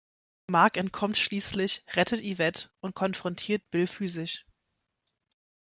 Mark entkommt schließlich, rettet Yvette und konfrontiert Bill physisch.